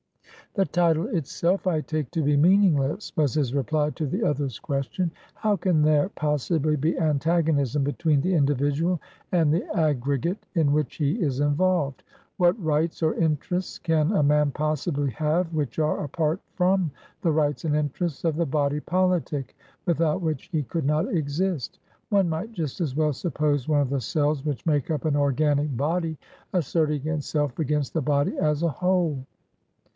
"The title itself I take to be meaningless," was his reply to the other's question. "How can there possibly be antagonism between the individual and the aggregate in which he is involved? What rights or interests can a man possibly have which are apart from the rights and interests of the body politic without which he could not exist? One might just as well suppose one of the cells which make up an organic body asserting itself against the body as a whole."